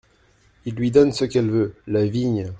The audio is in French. Il lui donne ce qu'elle veut, la vigne.